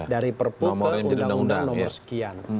dari perpu undang undang nomor sekian